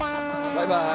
バイバーイ。